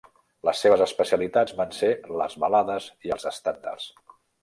Les seves especialitats van ser les balades i els estàndards.